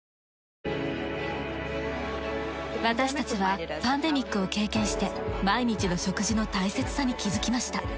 私たちはパンデミックを経験して毎日の食事の大切さに気づきました。